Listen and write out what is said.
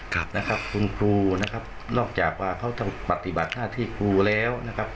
คุณครูนะครับรอกจากว่าเขาต้องปฏิบัติหน้าที่ครูแล้ว